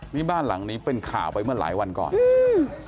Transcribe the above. นี่บ้านหลังนี้เป็นข่าวไปเมื่อหลายวันก่อนอืม